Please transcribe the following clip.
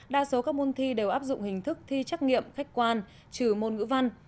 đa số các môn thi đều áp dụng hình thức thi trắc nghiệm khách quan trừ môn ngữ văn